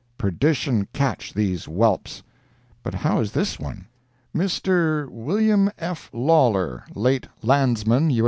Perdition catch these whelps! But how is this one? "MR. WM. F. LAWLER, LATE LANDSMAN, U.